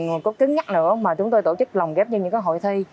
mình không có kính nhắc nữa mà chúng tôi tổ chức lòng ghép như những cái hội thi